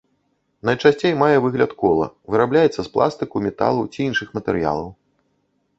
Найчасцей мае выгляд кола, вырабляецца з пластыку, металу ці іншых матэрыялаў.